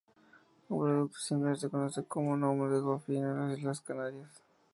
Un producto similar se conoce por el nombre Gofio en las Islas Canarias.